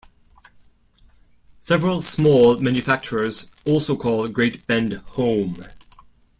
Several small manufacturers also call Great Bend home.